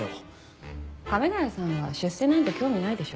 亀ヶ谷さんは出世なんて興味ないでしょ。